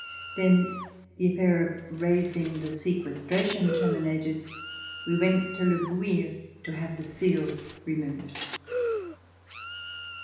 Then, the affair of raising the sequestration terminated, we went to Le Bouilh to have the seals removed.